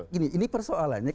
gini ini persoalannya